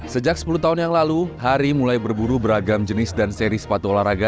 sejak sepuluh tahun yang lalu hari mulai berburu beragam jenis dan seri sepatu olahraga